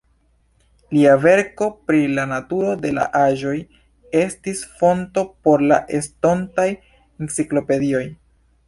Lia verko "Pri la naturo de la aĵoj" estis fonto por la estontaj enciklopedioj.